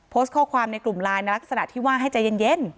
โพสต์ข้อความในกลุ่มไลน์ในลักษณะที่ว่าให้ใจเย็น